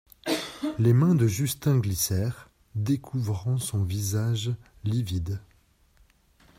Les mains de Justin glissèrent, découvrant son visage livide.